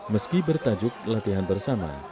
meski bertajuk latihan bersama